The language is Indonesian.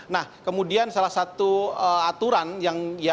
nah kemudian salah satu aturan yang